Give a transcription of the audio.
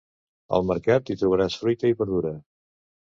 Al mercat hi trobaràs fruita i verdura.